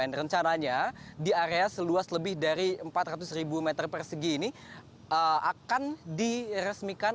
dan rencananya di area seluas lebih dari empat ratus ribu meter persegi ini akan diresmikan